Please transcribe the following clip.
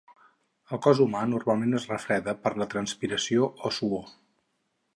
El cos humà normalment es refreda per la transpiració, o suor.